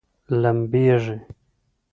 لمبیږي؟